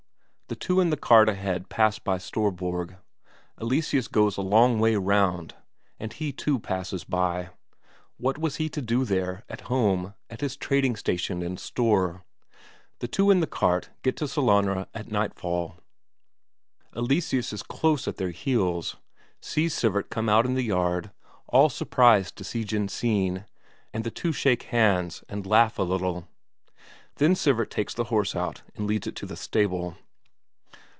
The two in the cart ahead pass by Storborg. Eleseus goes a long way round, and he too passes by; what was he to do there, at home, at his trading station and store? The two in the cart get to Sellanraa at nightfall; Eleseus is close at their heels. Sees Sivert come out in the yard, all surprised to see Jensine, and the two shake hands and laugh a little; then Sivert takes the horse out and leads it to stable.